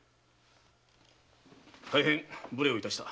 大変無礼をいたした。